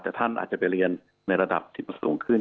แต่ท่านอาจจะไปเรียนในระดับที่มันสูงขึ้น